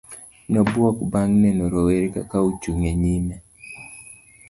nobuok bang' neno roweraka ka ochung' e nyime